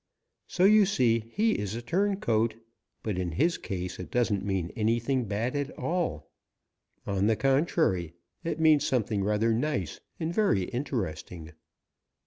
So you see he is a turncoat, but in his case it doesn't mean anything bad at all. On the contrary, it means something rather nice and very interesting.